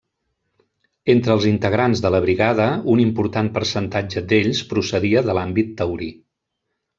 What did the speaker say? Entre els integrants de la brigada un important percentatge d'ells procedia de l'àmbit taurí.